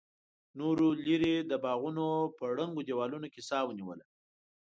نورو ليرې د باغونو په ړنګو دېوالونو کې سا ونيوله.